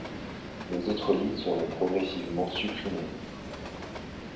Les autres lignes seront progressivement supprimées.